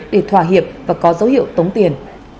để thỏa hiệp và có dấu hiệu tống tiền